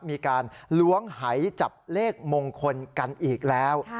มีการล้วงหายจับเลขมงคลกันอีกแล้ว